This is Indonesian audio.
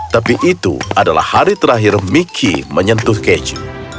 tapi itu adalah hari terakhir miki menyentuh keju